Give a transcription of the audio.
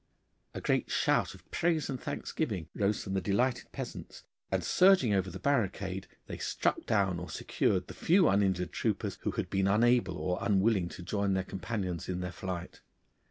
A great shout of praise and thanksgiving rose from the delighted peasants, and surging over the barricade they struck down or secured the few uninjured troopers who had boon unable or unwilling to join their companions in their flight.